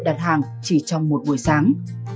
đặt hàng chỉ trong một buổi sáng